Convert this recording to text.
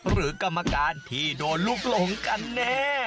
หรือกรรมการที่โดนลูกหลงกันแน่